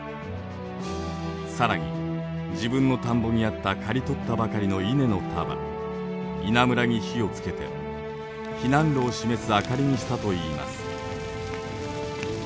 更に自分の田んぼにあった刈り取ったばかりの稲の束「稲むら」に火をつけて避難路を示す明かりにしたといいます。